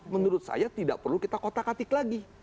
menurut saya tidak perlu kita kotak atik lagi